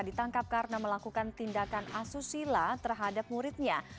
ditangkap karena melakukan tindakan asusila terhadap muridnya